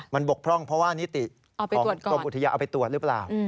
มันบกพร่องเพราะว่านิติของกรมอุทยานเอาไปตรวจหรือเปล่า